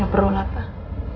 gak perlu lah pak